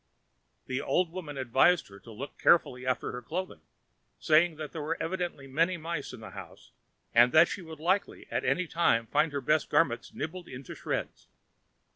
The old woman advised her to look carefully after her clothing, saying that there were evidently many mice in the house, and that she would be likely at any time to find her best garments nibbled into shreds.